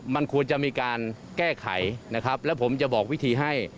มันควรจะมีการแก้ไขนะครับแล้วผมจะบอกวิธีให้